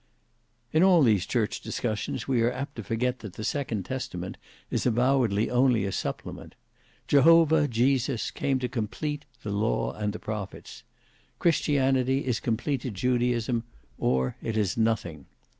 "In all these church discussions, we are apt to forget that the second Testament is avowedly only a supplement. Jehovah Jesus came to complete the 'law and the prophets.' Christianity is completed Judaism, or it is nothing.